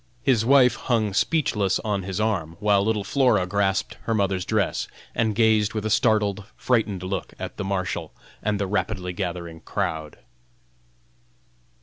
His wife hung speechless on his arm, while little Flora grasped her mother's dress, and gazed with a startled, frightened look at the Marshal and the rapidly gathering crowd.